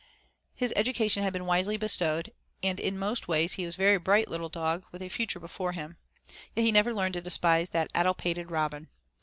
His education had been wisely bestowed and in most ways he was a very bright little dog with a future before him, Yet he never learned to despise that addle pated Robin.